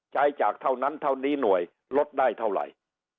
ใช้จากเท่านั้นเท่านี้หน่วยลดได้เท่าไหร่